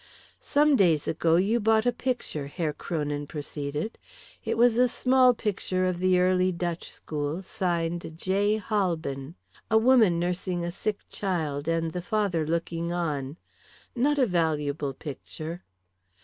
"Some days ago you bought a picture," Herr Kronin proceeded. "It was a small picture of the early Dutch School, signed J. Halbin. A woman nursing a sick child, and the father looking on. Not a valuable picture."